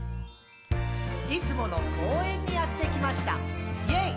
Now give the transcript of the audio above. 「いつもの公園にやってきました！イェイ！」